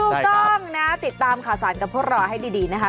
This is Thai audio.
ถูกต้องนะติดตามขสานกระโพดรอให้ดีนะคะ